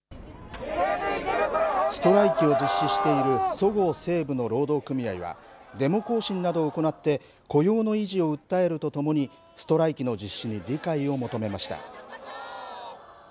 そごう・西武の労働組合はデモ行進などを行って雇用の維持を訴えるとともにストライキの実施に理解を求めました。